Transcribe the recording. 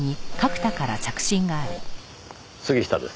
杉下です。